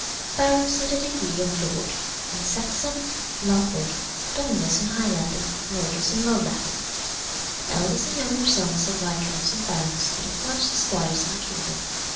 "Barons have the degree of lord: in Saxon, laford; dominus in high Latin; Lordus in low Latin. The eldest and younger sons of viscounts and barons are the first esquires in the kingdom.